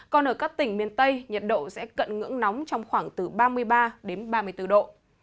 còn ở các tỉnh miền tây nhiệt độ sẽ cận ngưỡng nóng trong khoảng từ ba mươi ba đến ba mươi bốn độ